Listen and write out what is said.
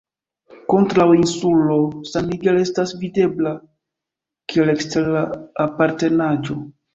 Kontraŭe insulo San Miguel estas videbla (kiel ekstera aparternaĵo).